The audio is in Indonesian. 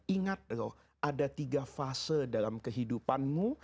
ingat loh ada tiga fase dalam kehidupanmu